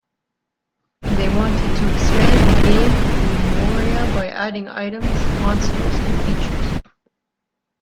They wanted to expand the game "Umoria" by adding items, monsters, and features.